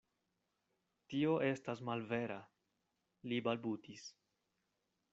Tio estas malvera, li balbutis.